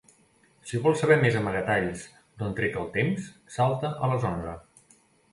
Si vols saber més amagatalls d'on trec el temps, salta a les onze.